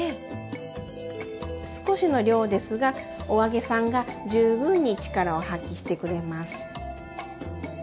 少しの量ですがお揚げさんが十分に力を発揮してくれます。